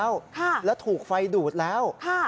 น้ำท่วมไปแบบมิดล้อแล้วค่ะ